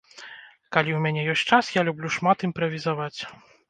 Калі ў мяне ёсць час, я люблю шмат імправізаваць.